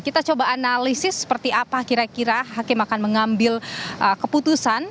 kita coba analisis seperti apa kira kira hakim akan mengambil keputusan